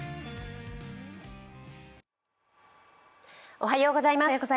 おはようございます。